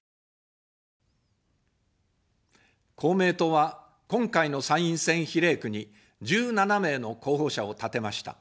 公明党は今回の参院選比例区に１７名の候補者を立てました。